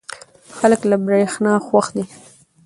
خلک له برېښنا خوښ دي.